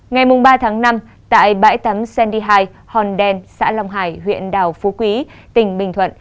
ngày ba năm tại bãi tắm sandy high hòn đen xã long hải huyện đào phú quý tỉnh bình thuận